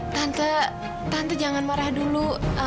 tante tante jangan marah dulu